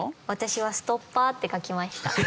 私はストッパーって書きました。